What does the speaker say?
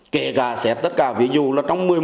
kể cả xét tất cả ví dụ trong